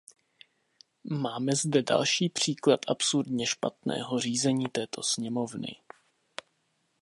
Máme zde další příklad absurdně špatného řízení této sněmovny.